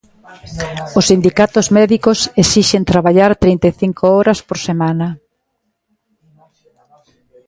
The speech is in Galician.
Os sindicatos médicos exixen traballar trinta e cinco horas por semana